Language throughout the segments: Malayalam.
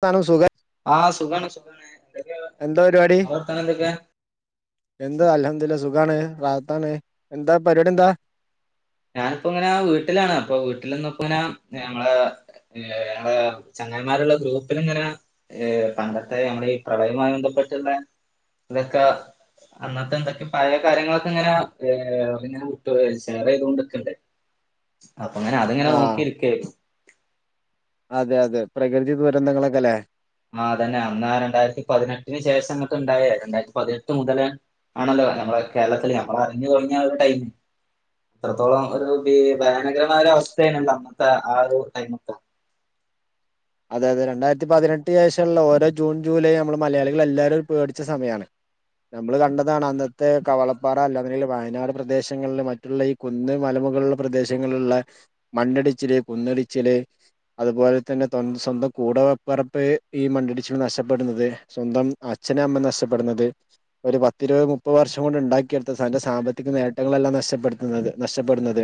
വർത്തനം സുഖ ആഹ് സുഖാണ് സുഖാണ് എന്തൊക്കെയാ എന്താ ഇങ്ങളെ പരിപാടി വർത്താനം എന്തൊക്കെ എന്താ അൽഹംദുലില്ലാ സുഖാണ് റാഹത്താണ് എന്താ പരിപാടി എന്താ ഞാനിപ്പം ങ്ങനെ വീട്ടിലാണ് അപ്പം വീട്ടിലിന്നിപ്പം ഞാൻ ഞങ്ങള ഏ ഞങ്ങളെ ചങ്ങായ്മാര്ള്ള ഗ്രൂപ്പിലിങ്ങനെ ഈ പണ്ടത്തെ ഞമ്മളെ ഈ പ്രളയവുമായി ബന്ധപ്പെട്ടുള്ള ഇതൊക്കെ അന്നത്തെ എന്തൊക്ക്യൊ പഴയ കാര്യങ്ങളൊക്കെ ഇങ്ങനെ പിന്നെ വിട്ട് ഷെയർ ചെയ്തൊണ്ട് ക്കാ നിക്ക്ണ്ട് അപ്പങ്ങനെ അത്ങ്ങനെ ആഹ് നോക്കിയിരിക്കായ്രുന്നു അതെ അതെ പ്രകൃതി ദുരന്തങ്ങളൊക്കെ ലെ ആഹ് അതന്നെ അന്നാ രണ്ടായിരത്തി പതിനെട്ടിന് ശേഷം ഇങ്ങട്ട്ണ്ടായേ രണ്ടായിരത്തി പതിനെട്ട് മുതല് ആണല്ലോ ഞമ്മളെ കേരളത്തില് ഞമ്മള് അറിഞ്ഞ് തൊടങ്ങിയ ആ ഒരു ടൈം എത്രത്തോളം ഒരു ഭയാനകരമായ ഒരു അവസ്ഥേനയെല്ലൊ അന്നത്തെ ആ ഒരു ടൈമൊക്ക അതെയതെ രണ്ടായിരത്തി പതിനെട്ട് ശേഷള്ള ഓരോ ജൂൺ ജൂലൈ ഞമ്മള് മലയാളികൾ എല്ലാരും ഒരു പേടിച്ച ഒരുസമയാണ് ഞമ്മള് കണ്ടതാണ് അന്നത്തെ കവളപ്പാറ അല്ല അങ്ങനെയല്ല വയനാട് പ്രദേശങ്ങളിൽ മ ള്ള ഈ കുന്ന് മലമുകളുള്ള പ്രദേശങ്ങളിലുള്ള മണ്ണടിച്ചില് കുന്ന്ടിച്ചില് അതുപോലെ തന്നെ സ്വന്തം കൂടപ്പെറപ്പ് ഈ മണ്ണിടിച്ചിൽ നഷ്ടപ്പെടുന്നത് സ്വന്തം അച്ഛനും അമ്മ നഷ്ടപ്പെടുന്നത് ഒരു പത്തിരുപത് മുപ്പത് വർഷം കൊണ്ട് ഉണ്ടാക്കിയെടുത്ത തന്റെ സാമ്പത്തിക നേട്ടങ്ങളെല്ലാം നഷ്ടപ്പെടുത്തുന്നത് നഷ്ടപ്പെടുന്നത്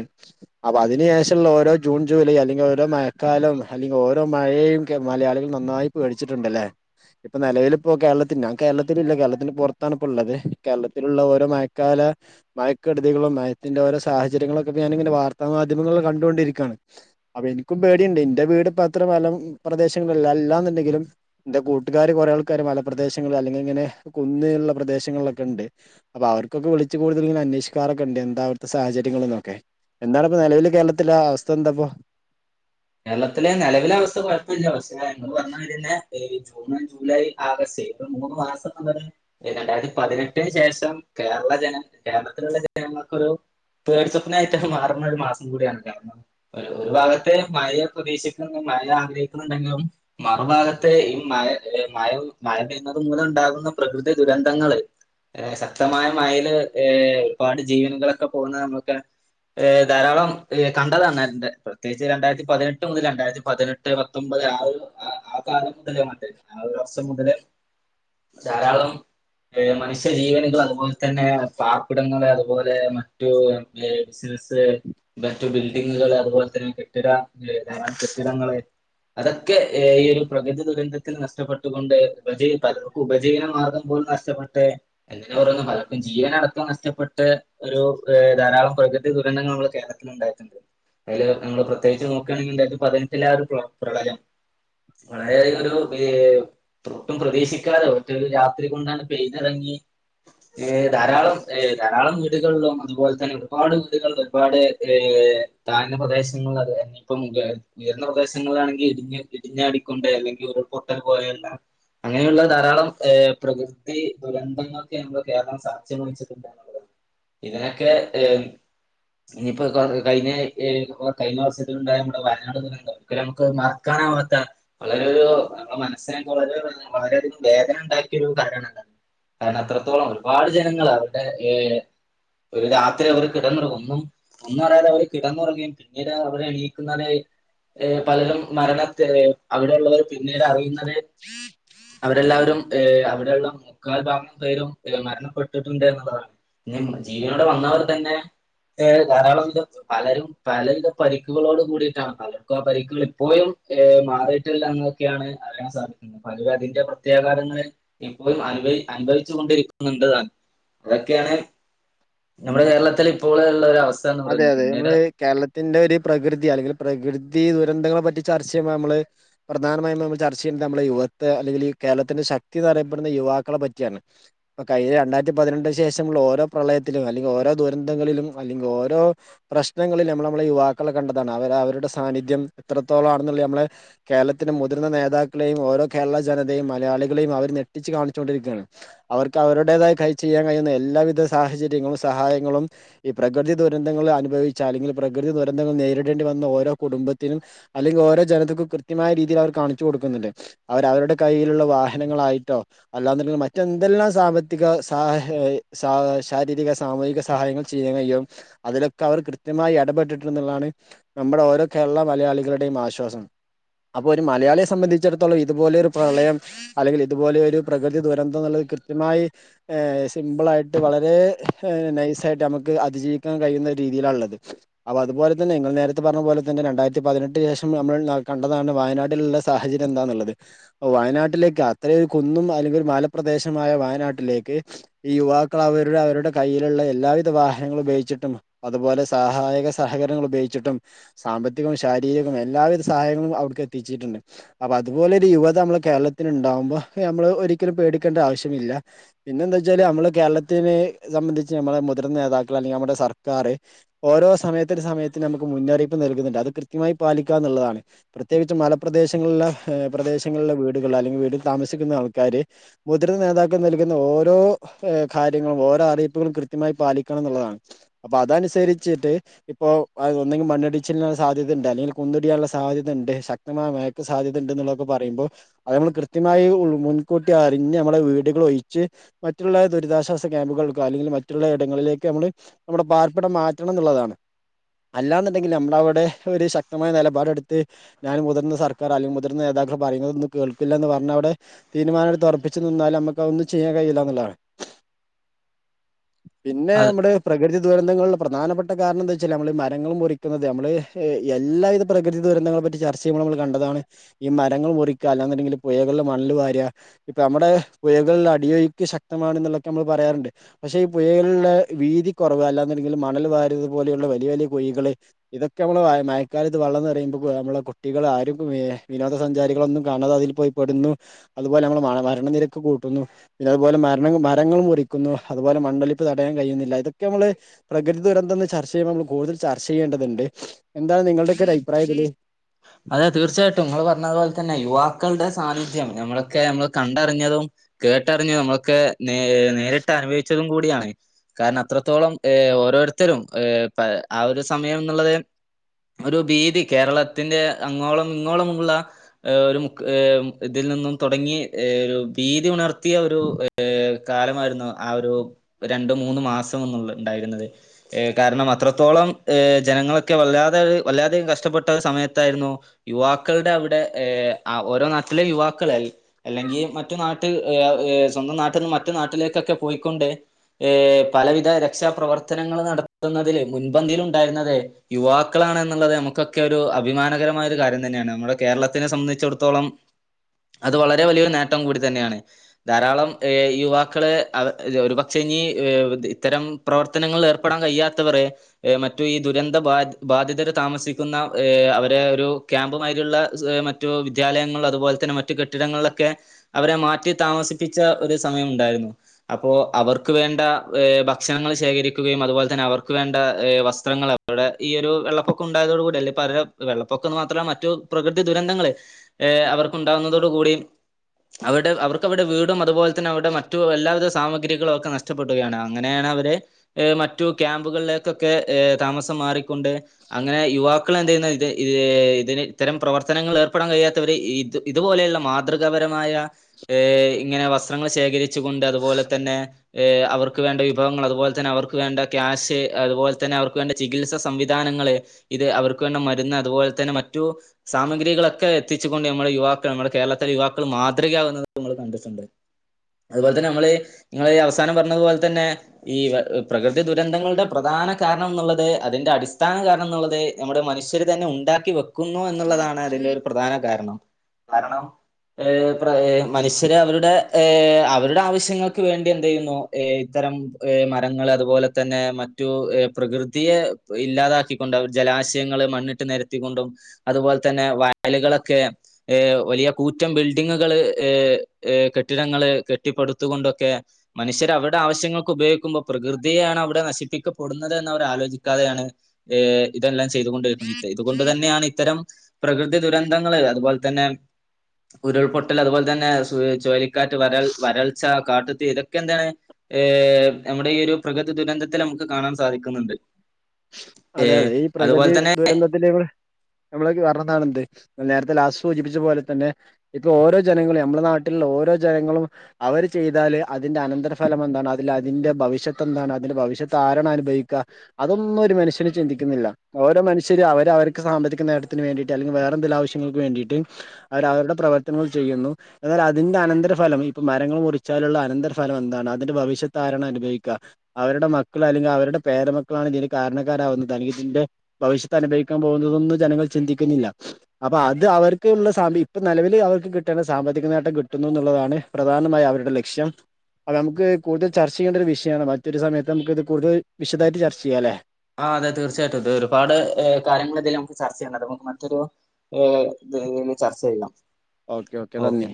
അപ്പൊ അതിന് ശേഷള്ള ഓരോ ജൂൺ ജൂലൈ അല്ലെങ്കിൽ ഓരോ മയക്കാലും അല്ലെങ്കി ഓ മഴയും മലയാളികൾ നന്നായി പേടിച്ചിട്ടുണ്ടല്ലേ ഇപ്പം നെലവില് ഇപ്പം കേരളത്തിൽ ഞാൻ കേരളത്തിലില്ല കേരളത്തിന് പുറത്താണ്പ്പ ഇള്ളത് കേരളത്തിലുള്ള ഓരോ മയക്കാല മയക്കെടുതികളും മയത്തിന്റെ ഓരോ സാഹചര്യങ്ങളൊക്കെ ഞാനിങ്ങനെ വാർത്താ മാധ്യമങ്ങളിൽ കണ്ടുകൊണ്ടിരിക്കാണ് അപ്പൊ എനിക്കും പേടിയ്ണ്ട് എന്റെ വീട്പ്പ അത്ര പലം പ്രദേശങ്ങളല്ലാന്നുണ്ടെങ്കിലും ന്റെ കൂട്ടുക്കാര് കൊറേയാൾക്കാര് മലപ്രദേശങ്ങള് അല്ലെങ്കി ഇങ്ങനെ കുന്ന്ള്ള പ്രദേശങ്ങളിലൊക്കെ ഉണ്ട് അപ്പൊ അവർകൊക്കെ വിളിച്ച് കൂടുതല് ഇങ്ങന അന്വേഷിക്കാറൊക്കെണ്ട് എന്ത അവ്ട്ത്തെ സാഹചര്യങ്ങള്ന്നൊക്കെ എന്താണിപ്പ നിലവില് കേരളത്തിലെ അവസ്ഥ എന്തപ്പൊ കേരളത്തിലെ നെലവില അവസ്ഥ കൊഴപ്പല്ല പക്ഷെ ങ്ങള് പറഞ്ഞമാരിയന്നെ ഈ ജൂൺ ജൂലൈ ആഗസ്റ്റ് ഇത് മൂന്ന് മാസംന്ന്ള്ളത് പിന്നെ രണ്ടായിരത്തി പതിനെട്ടിന് ശേഷം കേരള ജന കേരളത്തിലുള്ള ജനങ്ങൾക്കൊരു പേടി സ്വപ്നായിട്ടൊക്കെ മാറുന്ന ഒരു മാസം കൂടിയാണ് കാരണം ഒരു ഒരു ഭാഗത്ത് മയ പ്രതീക്ഷിക്ക്ന്ന് മയ ആഗ്രഹിക്കുന്നുണ്ടെങ്കിലും മറുഭാഗത്തെ ഈ മയ മയ മയ പെയ്ന്നത് മൂലം ഉണ്ടാകുന്ന പ്രകൃതി ദുരന്തങ്ങള് ഏഹ് ശക്തമായ മയേല് ഒരുപാട് ജീവനുകളൊക്കെ പോകുന്ന നമുക്ക് ഏഹ് ധാരാളം ഇഹ് കണ്ടതാന്ന് ന്റെ പ്രത്യേകിച്ച് രണ്ടായിര് പതിനെട്ട് മുതൽ രണ്ടായിരത്തി പതിനെട്ട് പത്തൊമ്പത് ആ ഒരു ആ ആ കാലം മുതല് മാണ്ടാത് ആ ഒരു വർഷം മുതല് ധാരാളം മനുഷ്യജീവന്കള് അതുപോൽതന്നെ പാർപ്പിടങ്ങള് അതുപോലെ മറ്റു ബിസിൽസ് മറ്റ് ബിൽഡിങ്ങുകള് അതുപോൽതന്നെ കെട്ടിട ധാരകെട്ടിടങ്ങള് അതൊക്കെ ഈഹ് ഒരു പ്രകൃതി ദുരന്തത്തിന് നഷ്ടപ്പെട്ടുകൊണ്ട് പ്രജയ് ഉപജീവന മാർഗ്ഗം പോലും നഷ്ടപ്പെട്ട് എന്തിന് പറയ്ന്ന് പലർക്കും ജീവനടക്കം നഷ്ടപ്പെട്ട് ഒരു ഇഹ് ധാരാളം പ്രകൃതി ദുരന്തങ്ങള് നമള് കേരളത്തില് ഉണ്ടായിട്ടുണ്ട് അയില് നമ്മള് പ്രത്യേകിച്ച് നോക്ക് ക്കണ്ടത് പതിനെട്ടില ആ ഒരു പ്ര പ്രളയം വളരെയധികം ഒരു ഒട്ടും പ്രതീശിക്കാതെ ഒറ്റൊരു രാത്രി കൊണ്ടാണ് പെയ്തിറങ്ങി ഇഹ് ധാരാളം ഇഹ് ധാരാളം വീടുകളിലും അതുപോലെ തന്നെ ഒരുപാട് വീടുകളില ഒരുപാട് ഏ താഴ്ന്ന പ്രദേശങ്ങള് അത് തന്നെ ഇപ്പം ഉയർന്ന പ്രദേശങ്ങളാണെങ്കി ഇടിഞ്ഞ് ഇടിഞ്ഞാടിക്കൊണ്ടേ അല്ലെങ്കി ഉരുൾപൊട്ട പോലെയള്ള എല്ലാം അങ്ങനെയുള്ള ധാരാളം ഏഹ് പ്രകൃതി ദുരന്തങ്ങൊക്കെ നമ്മള് കേരളം സാക്ഷ്യം വഹിച്ചിട്ടണ്ട് [unintelligible] ഇതിനൊക്കെ എം ഇനിയിപ്പൊ കൊർ കഴിഞ്ഞ എം കഴിഞ്ഞ വർഷത്ത് ഇണ്ടായ നമ്മുടെ വയനാട് ദുരന്തം നമുക്ക് മറക്കാനാവാത്ത വളരെ ഒരു നമ്മുടെ മനസ്സിനെക്കെ വളരെ വളരെയധികം വേദന ഉണ്ടാക്കിയ ഒരു കാര ണണ്ട് അത്രത്തോളം ഒരുപാട് ജനങ്ങള് അവരുടെ ഏഹ് ഒരു രാത്രി അവർ കിടന്നുറങ്ങ ഒന്നും ഒന്നറയാതെ അവർ കിടന്നുറങ്ങുകയും പിന്നീട് ഓര് എണീക്കുന്നത് പലരും മരണത്തില് അവിടെള്ളവർ പിന്നീട് അറിയ്ന്ന അതെ അവര് എല്ലാവരും ഏഹ് അവിടെയുള്ള മുക്കാൽ ഭാഗം പേരും മരണപ്പെട്ട്ട്ട്ണ്ട് എന്നുള്ളതാണ് ഇനി ജീവനോടെ വന്നവർ തന്നെ ഏ ധാരാളം വിധ പലരും പല വിധ പരിക്കുകളോട് കൂടിയിട്ടാ വന്നത് പലർക്കും ആ പരിക്കുകൾ ഇപ്പോഴും മാറിയിട്ടില്ലാന്നൊക്കെയാണ് പറയാൻ സാധിക്കുന്നു പലരു അതിന്റെ പ്രത്യാഗാതങ്ങള് ഇപ്പോയും അനുഭവി അനുഭവിച്ച് കൊണ്ടിരിക്കുന്നുണ്ട്താന്ന് അതൊക്കെയാണ് നമ്മടെ കേരളത്തില് ഇപ്പോള് ള്ള ഒരു അവസ്ഥ എന്ന് അതെ പറയുന്നത് അതെ പിന്നീട് നമ്മള് കേരളത്തി ത്തിന്റെ ഒരു പ്രകൃതി അല്ലെങ്കില് പ്രകൃതി ദുരന്തങ്ങളെ പറ്റി ചർച്ച ചെയ്യുമ്പൊ നമ്മള് പ്രധാനമായും നമ്മള് ചർച്ച ചെയ്യണ്ട നമ്മള യുവത്തെ അല്ലെങ്കി ഈ കേരളത്തിന്റെ ശക്തിയന്ന് അറിയപ്പെടുന്ന യുവാക്കളെ പറ്റിയാണ് അപ്പ കയ്ഞ്ഞ രണ്ടായ്ര്ത്തി പതിനട്ട് ശേഷുള്ള ഓരോ പ്രളയത്തിലും അല്ലെങ്കി ഓരോ ദുരന്തങ്ങളിലും അല്ലെങ്കി ഓ രോ പ്രശ്നങ്ങളില് നമ്മള് നമ്മെളെ യുവാക്കളെ കണ്ടതാണ് അവര് അവരുടെ സാന്നിധ്യം എത്രത്തോളം ആണെന്നുള്ള നമ്മളെ കേരളത്തിന്റെ മുതിർന്ന നേതാക്കളെയും ഓരോ കേരള ജനതയും മലയാളികളെയും അവര് ഞെട്ടിച്ചു കാണിച്ചുകൊണ്ടിരിക്കയാണ് അവർക്ക് അവരുടേതായി കൈ ചെയ്യാൻ കഴിയുന്ന എല്ലാവിധ സാഹചര്യങ്ങളും സഹായങ്ങളും ഈ പ്രകൃതി ദുരന്തങ്ങൾ അനുഭവിച്ച അല്ലെങ്കിൽ പ്രകൃതി ദുരന്തങ്ങൾ നേരിടേണ്ടി വന്ന ഓരോ കുടുംബത്തിനും അല്ലെങ്കി ഓരോ ജനതക്കും കൃത്യമായ രീതിയിൽ അവര് കാണിച്ചു കൊടുക്കുന്ന്ണ്ട് അവരവരുടെ കയ്യിലുള്ള വാഹനങ്ങളായിട്ടോ അല്ലാെന്ന്ണ്ടങ്കി മറ്റെന്തെല്ലാം സാമ്പത്തിക സഹ ശാരീരിക സാമൂഹിക സഹായങ്ങൾ ചെയ്യൻ കഴിയും അതിലൊക്കെ അവർ കൃത്യമായി എടപെട്ടിട്ടുന്നുള്ളതാണ് നമ്മളെ ഓരോ കേരള മലയാളികളുടെയും ആശ്വാസം അപ്പൊ ഒരു മലയാളിയെ സംബന്ധിച്ചിടത്തോളം ഇതുപോലെ ഒരു പ്രളയം അല്ലങ്കിൽ ഇതുപോലെ ഒരു പ്രകൃതി ദുരന്തം എന്നുള്ളത് കൃത്യമായി ഏഹ് സിംമ്പിളായിട്ട് വളരെ നൈസായിട്ട് നമുക്ക് അതിജീവി ക്കാൻ കഴിയുന്ന രീതിയിലാള്ളത് അവ അപ്പൊ അതുപോലെ തന്നെ നിങ്ങൾ നേരത്തെ പറഞ്ഞത് പോലെ തന്നെ രണ്ടായിരത്തി പതിനെട്ടിനു ശേഷം നമ്മൾ കണ്ടതാണ് വയനാട്ടിലുള്ള സാഹചര്യം എന്താന്നുള്ളത് ഓഹ് വയനാട്ടിലേക്ക് അത്രേ കുന്നും അല്ലെങ്കി മലപ്രദേശമായ വയനാട്ടിലേക്ക് യുവാക്കള് അവരുടെ അവരുടെ കയ്യിലുള്ള എല്ലാവിധ വാഹനങ്ങളും ഉപയോഗിച്ചി റ്റും അതുപോലെ സഹായക സഹകരണങ്ങൾ ഉപയോഗിച്ചിട്ടും സാമ്പത്തികവും ശാരീരികവും എല്ലാവിധ സഹായങ്ങളും അവിടുക്ക് എത്തിച്ചിട്ടുണ്ട് അപ്പൊ അതുപോലെ ഒരു യുവത നമ്മള കേരളത്തില്ണ്ടാവുമ്പോ നമ്മള് ഒരിക്കലും പേടിക്കേണ്ട ആവശ്യമില്ല പിന്നെ എന്താച്ചാല് നമ്മള് കേരളത്തില് സംബന്ധിച്ച് നമ്മള മുതിർന്ന നേതാക്കള് അല്ലെങ്കില് നമ്മുടെ സർ കാര് ഓരോ സമയത്തിന് സമയത്തിന് നമുക്ക് മുന്നറിയിപ്പ് നൽകുന്നുണ്ട് അത് കൃത്യമായി പാലിക്കാന്നുള്ളതാണ് പ്രത്യേകിച്ചും മലപ്രദേശങ്ങളില പ്രദേശങ്ങളിലെ വീടുകള് അല്ലെങ്കിൽ വീട്ടിൽ താമസിക്കുന്ന ആൾക്കാര് മുതിർന്ന നേതാക്കൾ നൽകുന്ന ഓരോ കാര്യങ്ങളും ഓരോ അറിയിപ്പുകളും കൃത്യമായി പാലിക്കണന്നുള്ളതാണ് അപ്പൊ അതനുസരിച്ചിട്ട് ഇപ്പോ അത് ഒന്നെങ്കി മണ്ണടിചിലിനുള്ള സാധ്യതയണ്ട് അല്ലെങ്കിൽ കുന്ന്ടിയാനുള്ള സാധ്യത ഉണ്ട് ശക് തമായ മയക്ക് സാധ്യത ഉണ്ടെന്നുള്ളാതൊക്കെ പറയ്മ്പോ അത് നമ്മള് കൃത്യമായി മുൻകൂട്ടി അറിഞ്ഞ് നമ്മളെ വീടുകൾ ഒഴിച്ച് മറ്റുള്ള ദുരിതാശ്വാസക്യാമ്പുകൾക്കോ അല്ലെങ്കിൽ മറ്റുള്ള ഇടങ്ങളിലേക്ക് നമ്മള് നമ്മുടെ പാർപ്പിടം മാറ്റണംന്നുള്ളതാണ് അല്ലാന്നുണ്ടെങ്കില് നമ്മുടെ അവിടെ ഒരു ശക്തമായ നിലപാടെടുത്ത് ഞാൻ മുതിർന്നസർക്കാർ അല്ലെങ്കി മുതിർന്ന നേതാക്കള് പറയുന്നതൊന്നും കേൾക്കില്ല എന്ന് പറഞ്ഞവിടെ തീരുമാനടുത്ത് ഒറപ്പിച്ചു നിന്നാല് നമുക്കതൊന്നും ചെയ്യാൻ കഴിയില്ലന്നുള്ളതാണ് പിന്നെ അത് നമ്മടെ പ്രകൃതി ദുരന്തങ്ങളുടെ പ്രധാനപ്പെട്ട കാരണന്താച്ചാല് നമ്മള് മരങ്ങൾ മുറിക്കുന്നത് നമ്മള് എല്ലാവിധ പ്രകൃതി ദുരന്തങ്ങളെ പറ്റി ചർച്ച ചെയ്യുമ്പോ നമ്മള് കണ്ടതാണ് ഈ മരങ്ങൾ മുറിക്കാ അല്ലന്നുണ്ടെങ്കില് പുയകളില് മണ്ണ് വാരാ ഇപ്പൊ നമ്മുടെ പുഴകളില് അടിയൊഴുക്ക് ശക്തമാണന്നുള്ളൊക്കെ നമ്മള് പറയാറുണ്ട് പക്ഷെ ഈ പുഴകളില് വീതികൊറവാ അല്ലാന്നുണ്ടെങ്കില് മണല് വാരതു പോലെയുള്ള വലിയ വലിയ കുഴികള് ഇതൊക്കെ നമ്മള് മയക്കാലത്ത് വെള്ളം നിറയുമ്പോ നമ്മള് കുട്ടികളാരും വിനോദസഞ്ചാരികളൊന്നും കാണാതെ അതിൽ പോയി പെടുന്നു അതുപോലെ നമ്മളെ മരണനിരക്ക് കൂട്ടുന്നു അതുപോലെ മരണം മരങ്ങൾ മുറിക്കുന്നു അതുപോലെ മണ്ണൊലിപ്പ് തടയാൻ കഴിയുന്നില്ല ഇത് ക്കെ നമ്മള് പ്രകൃതി ദുരന്തെന്ന് ചർച്ച ചെയ്യുമ്പോൾ നമ്മള് കൂടുതൽ ചർച്ച ചെയ്യേണ്ടതുണ്ട് എന്താണ് നിങ്ങളുടെയൊക്കെയൊരു അഭിപ്രായതില്? അതെ തീർച്ചയായിട്ടും ഇങ്ങള് പറഞ്ഞതുപോലെത്തന്നെ യുവാക്കളുടെ സാന്നിധ്യം നമ്മളൊക്കെ നമ്മള് കണ്ടറിഞ്ഞതും കേട്ടറിഞ്ഞ് നമ്മളൊക്കെ നേ നേരിട്ട് അനുഭവിച്ചതും കൂടിയാണ് കാരണം അത്രത്തോളം ഏഹ് ഓരോരുത്തരും ഏഹ് ആഹ് ഒരു സമയം എന്നുള്ളത് ഒരു ഭീതി കേരളത്തിന്റെ അങ്ങോളം ഇങ്ങോളമുള്ള ഒരു മു ഇതിൽ നിന്നും തുടങ്ങി ഒരു ഭീതി ഉണർത്തിയ ഒരു ഏഹ് കാലമായിരുന്നു ആഹ് ഒരു രണ്ട് മൂന്ന് മാസം എന്നുള്ള ഉണ്ടായിരുന്നത് ഏഹ് കാരണം അത്രത്തോളം ഏഹ് ജനങ്ങളൊക്കെ വല്ലാതെ വല്ലാതെയും കഷ്ടപ്പെട്ട സമയത്ത് യിരുന്നു യുവാക്കളുടെ അവിടെ ഓഹ് ഓരോനാട്ടിലെ യുവാക്കളെ അല്ലെങ്കി മറ്റു നാട്ട് സ്വന്തം നാട്ടീന്ന് മറ്റു നാട്ടിലേക്കൊക്കെ പോയിക്കൊണ്ട് ഏഹ് പലവിധ രക്ഷാപ്രവർത്തനങ്ങള് നടത്തുന്നതില് മുൻപന്തിയില് ഉണ്ടായിരുന്നതെ യുവാക്കളാണ് എന്നുള്ളത് നമുക്കൊക്കെ ഒരു അഭിമാന നകരമായ ഒരു കാര്യംതന്നെയാണ് നമ്മളെ കേരളത്തിനെ സംബന്ധിച്ചിടത്തോളം അത് വളരെ വലിയൊരു നേട്ടം കൂടി തന്നെയാണ് ധാരാളം ഏഹ് യുവാക്കള് ആ എ ഒരുപക്ഷെ ഇനി ഇത്തരം പ്രവർത്തനങ്ങളിൽ ഏർപ്പെടാൻ കയ്യാത്തവറ് ഏഹ് മറ്റു ഈ ദുരന്ത ബാ ബാധിതര് താമസിക്കുന്ന ഏഹ് അവ രെ ഒരു ക്യാമ്പുമായിരിയുള്ള മറ്റു വിദ്യാലയങ്ങളില് അതുപോലെ തന്നെ മറ്റു കെട്ടിടങ്ങളിലൊക്കെ അവരെ മാറ്റി താമസിപ്പിച്ച ഒരു സമയം ഉണ്ടായിരുന്നു അപ്പോ അവർക്ക് വേണ്ട വെ ഭക്ഷണങ്ങൾ ശേഖരിക്കുകയും അതുപോലെ തന്നെ അവർക്ക് വേണ്ട ഏഹ് വസ്ത്രങ്ങളെ വടെ ഈ ഒരു വെള്ളപ്പൊക്കം ഉണ്ടായതോട് കൂടെല്ലേ പരം വെള്ളപ്പൊക്കം ന്ന് മാത്രം മറ്റു പ്രകൃതി ദുരന്തങ്ങള് ഏഹ് അവർക്കുണ്ടാകുന്നതോടു കൂടി അവടെ അവർക്ക് അവടെ വീടും അതുപോലെ തന്നെ അവടെ മറ്റു എല്ലാവിധ സാമഗ്രികളൊക്കെ നഷ് ഷ്ടപ്പെടുകയാണ് അങ്ങനെയാണ് അവരെ ഏഹ് മറ്റു ക്യാമ്പുകളിലേക്കൊക്കെ താമസം മാറി കൊണ്ട് അങ്ങനെ യുവാക്കൾ എന്ത്ചെയ്യുന്നു ഇത് ഏഹ് ഇതിന് ഇത്തരം പ്രവർത്തനങ്ങൾ ഏർപ്പെടൻ കഴിയാത്തവര് ഇത് ഇതുപോലെയുള്ള മാതൃകാപരമായ ഏഹ് ഇങ്ങനെ വസ്ത്രങ്ങൾ ശേഖരിച്ചു കൊണ്ട് അതുപോലെ തന്നെ ഏഹ് അവർക്ക് വേണ്ട വിഭവങ്ങൾ അതുപോലെ തന്നെ അവർക്ക് വേണ്ട ക്യാഷ് അതുപോലെ തന്നെ അവർക്ക് വേണ്ട ചികിത്സാ സംവിധാനങ്ങള് ഇത് അവർക്ക് വേണ്ട മരുന്ന് അതുപോലെ തന്നെ മറ്റു സാമഗ്രികളൊക്കെ എത്തിച്ചുകൊണ്ട് നമ്മുടെ യുവാക്കൾ നമ്മുടെ കേരളത്തിലെ യുവാക്കൾ മാതൃകയാകുന്നത് നമ്മൾ കണ്ടിട്ടുണ്ട് അതുപോലെ തന്നെ നമ്മള് നിങ്ങള് അവസാനം പറഞ്ഞതുപോലെ തന്നെ ഈ പ്രകൃതി ദുരന്തങ്ങളുടെ പ്രധാന കാരണം എന്നുള്ളത് അതിന്റെ അടിസ്ഥാന കാരണം എന്നുള്ളത് നമ്മുടെ മനുഷ്യര് തന്നെ ഉണ്ടാക്കി വെക്കുന്നു എന്നുള്ളതാണ് അതിന്റെ ഒരു പ്രധാന കാരണം കാരണം ഏഹ് പ്ര ഏഹ് മനുഷ്യര് അവരുടെ ഏഹ് അവരുടെ ആവശ്യങ്ങൾക്ക് വേണ്ടി എന്തെയ്യുന്നു ഏഹ് ഇത്തരംഏഹ് മരങ്ങള് അതുപോലെ തന്നെ മറ്റു പ്രകൃതിയെ ഇല്ലാതാക്കിക്കൊണ്ട് അവര് ജലാശയങ്ങള് മണ്ണിട്ട് നിരത്തിക്കൊണ്ടും അതുപോലെ തന്നെ വയലുകളൊക്കെ ഏഹ് വലിയ കൂറ്റം ബിൽഡിങ്ങുകള് ഏഹ് ഏഹ് കെട്ടിടങ്ങള് കെട്ടിപ്പടുത്തുകൊണ്ടൊക്കെ, മനുഷ്യര് അവര്ടെ ആവശ്യങ്ങൾക്ക് ഉപയോഗിക്കുമ്പോൾ പ്രകൃതിയെയാണ് അവിടെ നശിപ്പിക്കപ്പെടുന്നതന്ന് അവര് ആലോചിക്കാതെയാണ് ഏഹ് ഇതെല്ലാം ചെയ്തുകൊണ്ട് [unintelligible] തയ് ഇത്കൊണ്ട് തന്നെ യാണ് ഇത്തരം പ്രകൃതി ദുരന്തങ്ങള് അതുപോൽ തന്നെ, ഉരുൾപൊട്ടല്, അതുപോലെ തന്നെ സു ചുയലിക്കാറ്റ്, വരൾ വരൾച്ച, കാട്ടു തീ ഇതൊക്കെ എന്താണ് ഏഹ് നമ്മുടെ ഈ ഒരു പ്രകൃതി ദുരന്തത്തില് നമുക്ക് കാണാൻ സാധിക്കുന്നുണ്ട്. ഏ, അതെ അതെ ഈ അതുപോലെ പ്രകൃതി തന്നെ ദുരന്തത്തിന്റെക്ക നമ്മളെക്ക വരണന്നാണന്ത് നേര്ത്തെ ലാസ്റ്റ് സൂചിപ്പിച്ച പോലെ തന്നെ ഇപ്പ ഓരോ ജനങ്ങളെ നമ്മുടെ നാട്ടില്ള്ള ഓരോ ജനങ്ങളും അവര് ചെയ്താല്, അതിന്റെ അനന്തര ഫലം എന്താണ് അതിൽ അതിന്റെ ഭവിഷ്യത്ത് എന്താണ്, അതിന്റെ ഭവിഷ്യത്ത് ആരാണനുഭവിക്ക അതൊന്നും ഒരു മനുഷ്യ ര് ചിന്തിക്ക്ന്നില്ല. ഓരോ മനുഷ്യര് അവര് അവര്ക്ക് സാമ്പത്തിക നേട്ടത്തിന് വേണ്ടിയിട്ട്, അല്ലെങ്കിൽ വേറെന്തേലും ആശ്യങ്ങൾക്ക് വേണ്ടിയിട്ട് അവര് അവരുടെ പ്രവർത്തനങ്ങൾ ചെയ്യുന്നു. എന്നാൽ അതിന്റെ അനന്തരഫലം ഇപ്പൊ മരങ്ങൾ മുറിച്ചാലുള്ള അനന്തര ഫലം എന്താണ് അതിന്റെ ഭവിഷ്യത്ത് ആരാണ് അനുഭവിക്ക, അവരുടെ മക്കള് അല്ലെങ്കിൽ അവരുടെ പേര മക്കളാണ് ഇതിന് കാര്ണ ക്കാരാവുന്നത്, അല്ലെങ്കി ഇതിന്റെ ഭവിഷ്യത്ത് അനുഭവിക്കാൻ പോകുന്നതൊന്നും ജനങ്ങൾ ചിന്തിക്കുന്നില്ല. അപ്പൊ അത് അവർക്ക്ള്ള സാമ്പി ഇപ്പ നെലവിൽ അവർക്ക് കിട്ടണ്ട സാമ്പത്തിക നേട്ടം കിട്ടുന്നു എന്നുള്ളതാണ് പ്രധാനമായി അവരുടെ ലക്ഷ്യം. അപ്പൊ നമുക്ക് കൂടുതൽ ചർച്ച ചെയ്യേണ്ട ഒരു വിഷയാണ്. മറ്റൊരു സയത്ത് നമുക്ക് ഇത് കൂടുതൽ വിശദായിട്ട് ചർച്ച ചെയ്യാലെ. ആഹ് അതെ തീർച്ചയായിട്ടും, ഇത് ഒരുപാട് എഹ് കാര്യങ്ങൾ ഇതില് നമുക്ക് ചർച്ചെയ്യണ്ടത്. നമക്ക് മറ്റൊരു ഏഹ് തെ യ്യില് ചർച്ചെയ്യാം. ഓക്കെ ഓക്കെ നന്ദി.